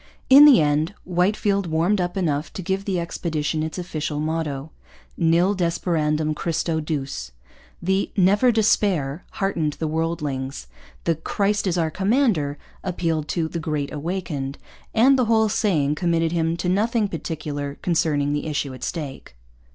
In the end Whitefield warmed up enough to give the expedition its official motto: 'Nil desperandum Christo Duce.' The 'Never Despair' heartened the worldlings. The 'Christ our Commander' appealed to the 'Great Awakened.' And the whole saying committed him to nothing particular concerning the issue at stake.